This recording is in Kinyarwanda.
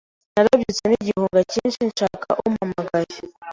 Narabyutse n’igihunga cyinshi, nshaka umpamagaye